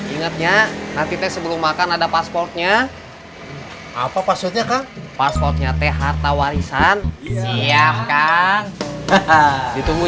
ingatnya nanti sebelum makan ada pasportnya apa pasutnya paspotnya teh harta warisan siapkan ditunggu